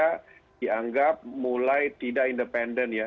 pertama adalah pemerintah yang mulai tidak independen ya